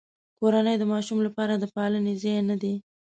کورنۍ د ماشوم لپاره د پالنې ځای نه دی.